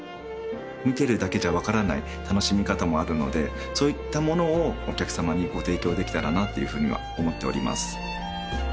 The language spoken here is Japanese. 見てるだけじゃ分からない楽しみ方もあるのでそういったものをお客様にご提供できたらなっていうふうには思っております